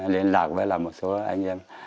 liên lạc với là một số anh em